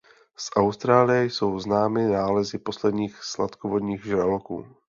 Z Austrálie jsou známy nálezy posledních sladkovodních žraloků.